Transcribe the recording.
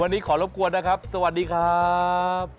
วันนี้ขอรบกวนนะครับสวัสดีครับ